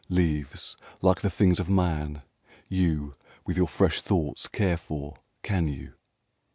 Leaves, like the things of man, you With your fresh thoughts care for, can you